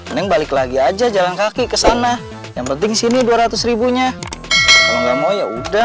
neng balik lagi aja jalan kaki ke sana yang penting sini dua ratus ribunya kalau nggak mau ya udah